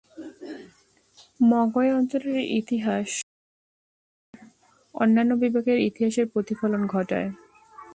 Mogwe অঞ্চলের ইতিহাস মধ্য বার্মার অন্যান্য বিভাগের ইতিহাসের প্রতিফলন ঘটায়।